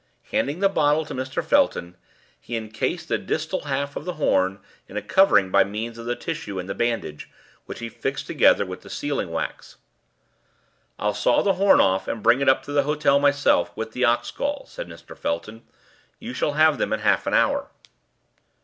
Handing the bottle to Mr. Felton, he encased the distal half of the horn in a covering by means of the tissue and the bandage, which he fixed securely with the sealing wax. "I'll saw the horn off and bring it up to the hotel myself, with the ox gall," said Mr. Felton. "You shall have them in half an hour."